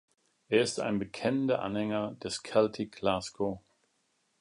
Er ist ein bekennender Anhänger des Celtic Glasgow.